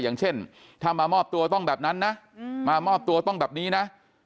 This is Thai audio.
อย่างเช่นถ้ามามอบตัวต้องแบบนั้นนะมามอบตัวต้องแบบนี้นะ